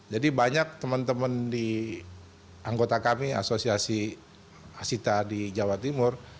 jadi banyak teman teman di anggota kami asosiasi asita di jawa timur